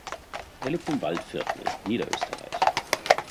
Er lebt im Waldviertel, Niederösterreich.